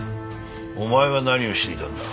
お前は何をしていたんだ？